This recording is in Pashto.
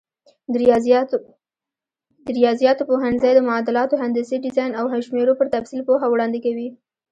د ریاضیاتو پوهنځی د معادلاتو، هندسي ډیزاین او شمېرو پر تفصیل پوهه وړاندې کوي.